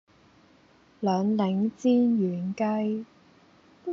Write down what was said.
兩檸煎軟雞